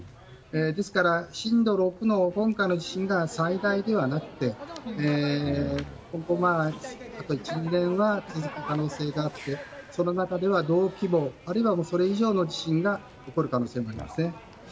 ですから、震度６の今回の地震が最大ではなくて今後、あと１２年は続く可能性があってその中では同規模あるいはそれ以上の地震が起こる可能性もありますね。